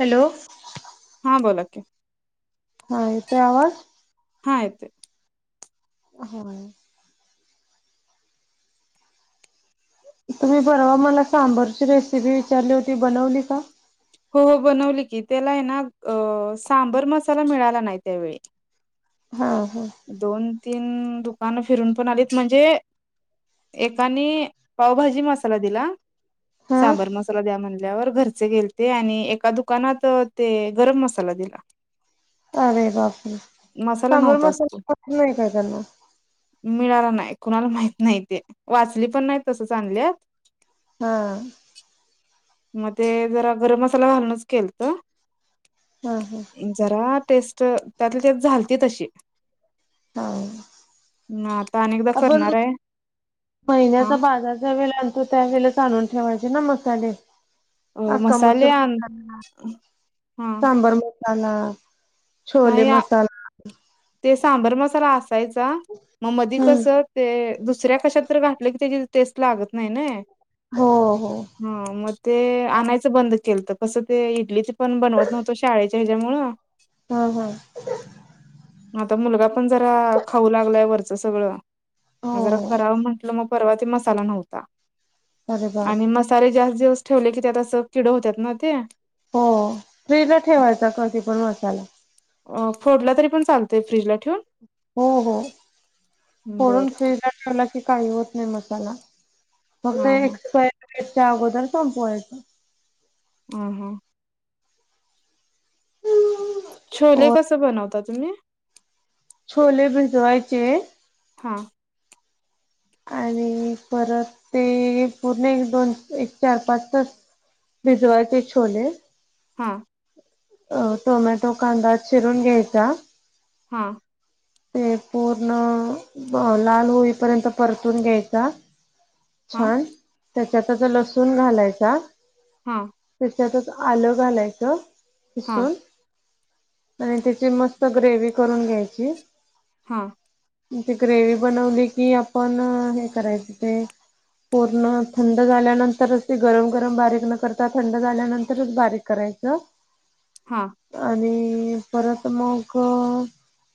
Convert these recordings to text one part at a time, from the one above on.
Hello हां बोलात नाही य ते आहे आवाज हायय होा तुम्ही बरवा मला सांबरची रेसिपी विचारली होती बनवली का हो हो बनवली की त्याला आहे ना अ सांबर मसाला मिळाला नाही त्यावेळी हा हा दोन तीन दुकानं फिरून पण आलीत म्हणजे एकाने पावभाजी मसाला दिला हा सांबर मसाला द्या म्हणल्यावर घरचे गे ते आणि एका दुकानात ते गरम मसाला दिला अरे बापर मसाला सांबर नव्हताच मसा तो नाही काय त्यांना मिळाला नाही कुणाला माहित नाही ते वाचली पण नाही तसं चांगले हम्म मग ते जरा गरम मसाला घालणच केल तर हम हम जरा टेस्ट त्यातली ते झालती तशी हा ना आता अनेकदा आपण करणार आहे हा महिन्याचा बाजारचा वेळ आणतो त्या वेळेच आणून ठेवायचे ना मसाले अ अका मसाले मसूर आण मसाारी हा सांबार मो मसाला छोले नाही आ मसाला ते सांबर मसाला असायचा मग मधी हम्म कसं ते दुसऱ्या कशात तर घाठलं की त्याची तेच लागत नाही ना हो हो हा मग ते आणायचं बंद केलं तर कसं ते इडलीच पण बनवत नव्हतं शाळेच्या ह्याच्यामुळं हा हा आता मुलगा पण जरा खाऊ लागलाय वरचं सगळं मग जरा हो करावं म्हंटलं मग मसाला नव्हता अरे आणि बाप म सारे जास्त दिवस ठेवले की त्यात असं किड होत्याात ना ते हो फ्रीजला ठेवायचा कधी पण मसाला. अ फोडला तरी पण चालतंय फ्रीजला ठेऊन? हो हो फोडून बरं फ्रीजला ठेवला की काही होत नाही मसाला. फक्त हा हा एक्सपायरी डेटच्या अगोदर संपवायचं. हं हं. छोले हो. कस बनवता तुम्ही? छोले भिजवायचे हां. आणि परत ते पूर्ण एक दोन एक चार पाच तास भिजवायचे छोले. हां. अ टोमॅटो कांदा चिरून घ्यायचा हां. ते पूर्ण लाल होईपर्यंत परतून घ्यायचा. हां छान त्याच्यातच लसूण घालायचा. हां. त्याच्यातच आलं घालायचं हां किसून. आणि त्याची मस्त ग्रेव्ही करून घ्यायची. हां. ती ग्रेव्ही बनवली की आपण अ हे करायच ते पूर्ण थंड झाल्यानंतरच ती गरम गरम बारीक न करता थंड झाल्यानंतरच बारीक करायचं. हां. आणि परत मग अ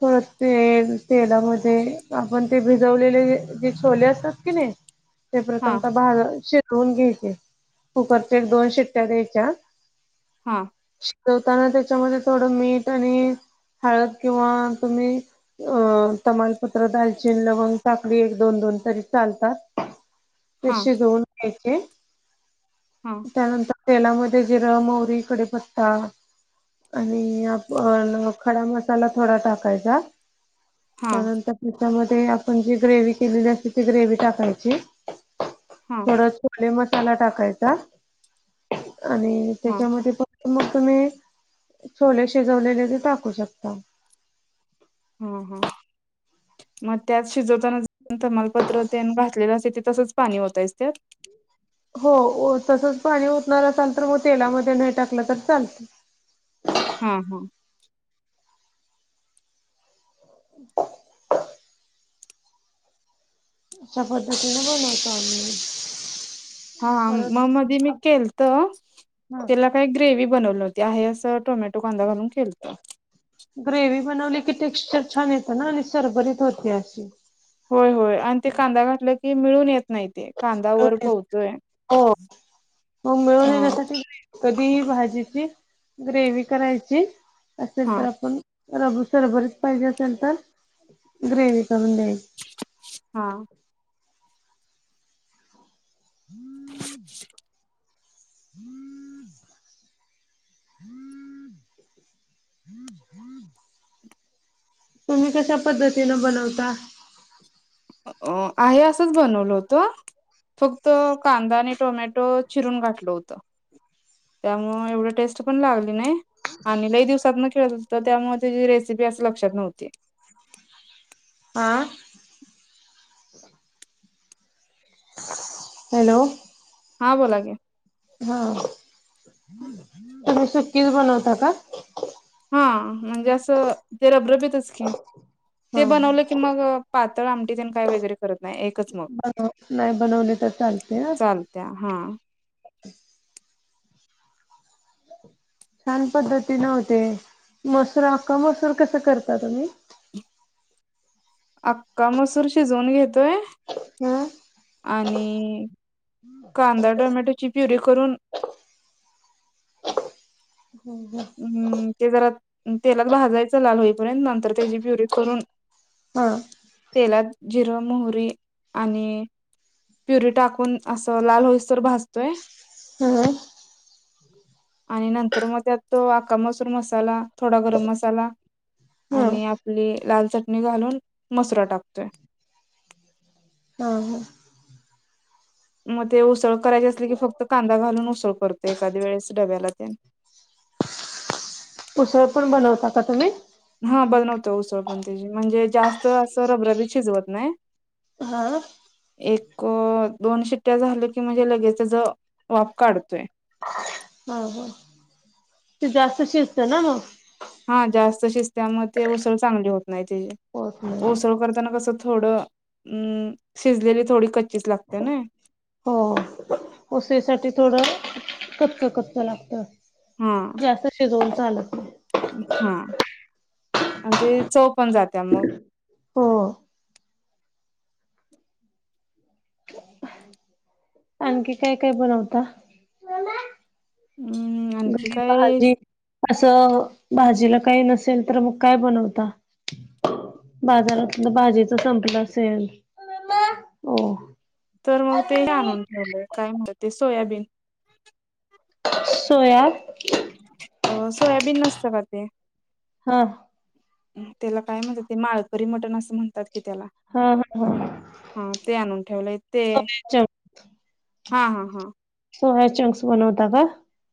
पर तेल तेलामध्ये आपण ते भिजवलेले जे छोले असतात की नाई ते हां हां प्रथमता भा शिजवून घ्यायचे कुकरच्या एक दोन शिट्ट्या द्यायच्या. हां. शिजवताना त्याच्यामध्ये थोडं मीठ आणि हळद किंवा तुम्ही अ तमालपत्र दालचीन लवंग टाकली एक दोन दोन तरी चालतात. ते हां शिजवून घ्यायचे. हम्म. त्यानंतर तेलामध्ये जिरं मोहरी कडीपत्ता आणि आपण अ खडा मसाला थोडा टाकायचा. हां त्यानंतर त्याच्यामध्ये आपण जी ग्रेव्ही केलेली असते ती ग्रेव्ही टाकायची. हां थोडा छोले मसाला टाकायचा आणि त्याच्यामध्ये पण मग तुम्ही छोले शिजवलेले ते टाकू शकता. हम हम. म त्यात शिजवताना तमालपत्र तेन घातलेलं असते ते तसंच पाणी ओतायचं त्यात? हो तसंच पाणी ओतणार असाल तर म तेलामध्ये नाही टाकलं तर चालत. हम हो. [unintelligible] शा पद्धतीने बनवतो आम्ही. हां म मधी मी परत केलत. ह त्याला काय ग्रेव्ही बनवली होती आहे असं टोमॅटो कांदा घालून केलत. ग्रेव्ही बनवली की टेक्स्चर छान येतं ना आणि सरबरीत होते आशी. होय होय आणि ते कांदा घातलं की मिळून येत नाही ते. कांदा वर हो पोहतोय मग मिळून हम्म. येण्यासाठी कधीही भाजीची ग्रेव्ही करायची असेल तर हां आपण रब सरबरीत पाहिजे असेल तर ग्रेवी करून द्याय हा. [inaudible] [inaudible] [inaudible] तुम्ही कश्या पद्धतीन बनवता? अ आहे असंच बनवलं होतं, फक्त कांदा आणि टोमॅटो चिरून घातलं होतं. त्यामुळ एवढी टेस्ट पण लागली नाही, आणि लई दिवसात न केल तर त्यामुळे त्यजी रेसिपी असं लक्षात नव्हती. आ. हॅलो. हा बोला की. हा, तुम्ही सुकीच बनवता का? हा म्हणजे असं ते रबरबीेतच की, ते हा हा. बनवलं की मग पातळ आमटी तेन काय वगैरे करत नाही एकच. मग बन, नाही बनवली तर चालतया. त्या हा. छान पद्धतीन होतय, मसूर अख्खा मसूर कसं करता तुम्ही? अक्का मसूर शिजवून घेतोय. हम्. आणि, कांदा टोमॅटोची प्युरी करून [inaudible] हम् ते जरा, तेलात भाजायचं लाल होईपर्यंत नंतर त्याची प्युरी करून. हा. तेलात जिरं, मोहरी, आणि प्युरी टाकून असं लाल होईस तोवर भाजतोय. ह. आणि नंतर म त्यात तो अक्का मसूर मसाला थोडा गरम मसाला. हा आणि आपली लाल चटणी घालून, मसुरा टाकतोय. हा हा. म ते उसळ करायची असली की फक्त कांदा घालून उसळ करतो एखाद्या वेळेस डब्याला तेन. उसळ पण बनवता का तुम्ही? हा बनवतो उसळ पण त्याजी म्हणजे जास्त असं रबरबी शिजवत नाही. हा. एक दोन शिट्ट्या झाल्या की म्हणजे लगेच त्याज, वाफ काढतोय. हा हा, ते जास्त शिजत ना म. हा जास्त शिस्तत्या म ते उसळ चांगली होत नाही त्याजी. होत नाही उसळ करताना कसं थोडं, अं, शिजलेली थोडी कच्चीच लागत्या नई. हो उसळीसाठी थोडं कच्च कच्च लागत. हा जास्त शिजवून चालत नाही. हा, आणि ते चव पण जात्या मग. हो. आणखी काय काय बनवता? हम्म. घरी भाजी असं भाजीला काही नसेल तर मग काय बनवता? बाजारातल भाजीच संपलं असेल, मम्मा, ओ. तर मग ते आणून ठेवलं काय म्हणता ते सोयाबीन. सोया अ सोयाबीन नसत का ते. हां. त्याला काय म्हणतात ते माळपरी मटण असं म्हणतात की त्याला. हा हा हा हा ते आणून ठेवलंय ते. सोया चंक्स हा हा हा. सोया चंक्स बनवता का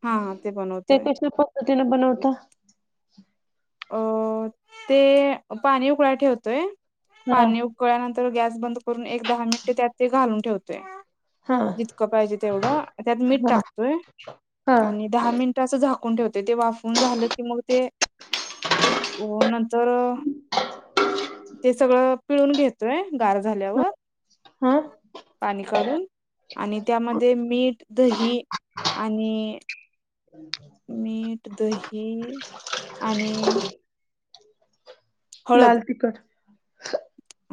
हा हा ते बनवतोय कशल्या पद्धतीने बनवता. अ ते पाणी उकळा ठेवतोय हा पाणी उ उकळ्यानंतर गॅस बंद करून एक दहा मिनिट त्यात ते घालून ठेवतोय. हा जितकं पाहिजे तेवढं त्यात मीठ हा टाकतोय. हा आणि दहा मिनिट असं झाकून ठेवते ते वाफून झालं की मग ते. वो नंतर ते सगळं पिळून घेतोय गार हा झाल्यावर. हा पाणी काढून आणि त्यामध्ये मीठ दही आणि. ह् [inaudible] मीठ दही आणि. लाल हळद तिकट.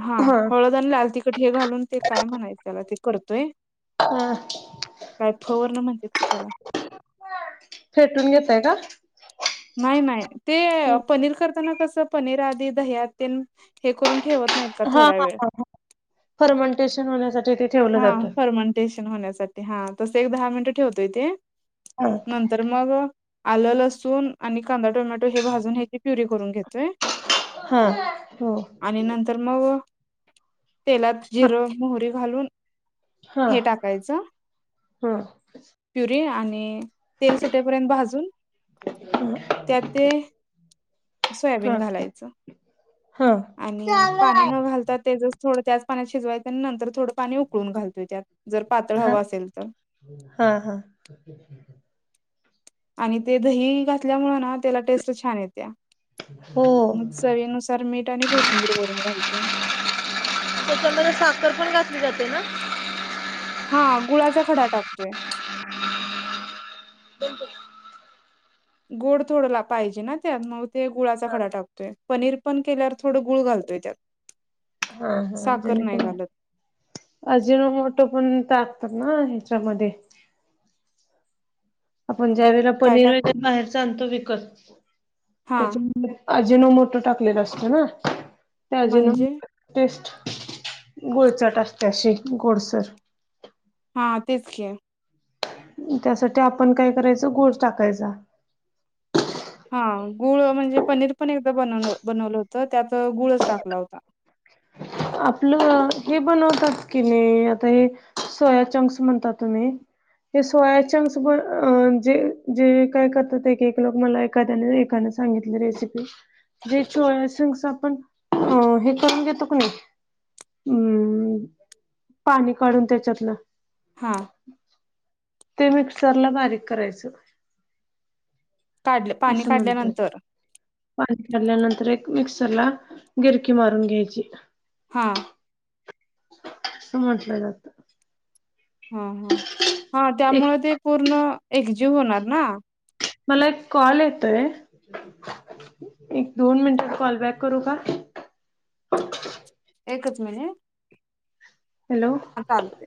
हा हळद आणि लाल तखट हे घालून ते काय म्हणायचं त्याला ते करतोय. हा. काय फवरन म्हणतात की त्याला. फेटून घेतय का. नाही नाही ते पनीर करताना कसं. पनीर आध दहत हे करून ठेवत नाही. हा हा हा फर्मंटेशन होण्यासाठी. ते ठेवलं हा जातं. फर्मंटेशन होण्यासाठी हा तस एक दहा मिनिटं ठेवतोय तेे. हा नंतर मग. आलं लसून आणि कांदा टोमॅटो हे भाजून ह्याची प्युरी करून घेतोय. हा हो. आणि नंतर मग तेलात हा जिरं मोहरी घालून. हा हे टाकायचं. हा प्युरी आणि तेल सुटेपर्यंत भाजून. त्या ते. हा सोयाबीन घालायचं. हा आणि चालू पाणी आहे. न घालता ते जस थोडं त्याच पाण्यात शिजवायं आणि नंतर थोडं पाणी उकळून घालोतोय त्यात. जर पातळ हवा असेल तर. हा हा. ह [inaudible] आणि ते दही घातल्यामुळ ना त्याला टेस्ट छान येत्या. हो. मग चवीनुसार मीठ आणि कोथिंबीर वरून घालतोय. त्या त्यामध्ये साखर पण घात ली जाते ना. हा गुळाचा खडा टाकतोय. गोड थोड ला पाहिजे ना त्यात मग ते गुळाचा खडा टाकतोय पनीर पण केल्यावर थोडं गुळ घालतोय त्यात. [inaudible] हा हा साखर नाही जणेकरूण. घालत अजिनो मोठं पण टाकतात ना ह्याच्यामध्ये. आपण ज्या वेळेला काय पनीर टाक व बाहेरच आणतो विकत हा त्याच्या मध्ये. अजिनो मोठं टाकलेलं असतं ना ते अजिनो. म्हणजे टेस्ट गोळचट असते अशी गोडसर. हा तेच की. त्यासाठी आपण काय करायचं गुळ टाकायचा. हा गुळ म्हणजे पनीर पण एकदा बनव बनवलं होतं त्यात गुळच टाकला होता. आपलं हे बनवतात की नाही आता हे सोया चंक्स म्हणता तुम्ही हे सोयाचंक्स जे जे काय करतात की एक लोक मला एखाद्याने एका सांगितली रेसिपी जे चोया संक्स आपण हे करून घेतो नाही अन् पाणी काढून त्याच्यातलं हां ते मिक्सरला बारीक करायचं काढले पाणी असं म्हणतात काढल्यानंतर पाणी काढल्यानंतर एक मिक्सर ला गिरकी मारून घ्यायची हा असं म्हटलं जातं हा ह हा एक त्यामुळे ते पूर्ण एकजीव होणार ना मला एक कॉल येतोय एक दोन मिनटात कॉल बॅक करू का एकच मिनिट हॅलो चालते